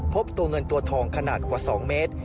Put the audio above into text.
พบตัวเงินตัวทองขนาดกว่า๒เมตร